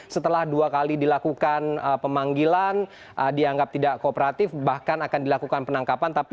selamat sore bang